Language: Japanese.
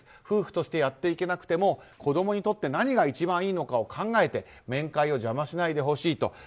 夫婦としてやっていけなくても子供にとって何が一番いいのかを考えて面会を邪魔しないでほしいと。